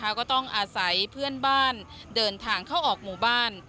ก็ต้องอาศัยเพื่อนบ้านเดินทางเข้าออกหมู่บ้าน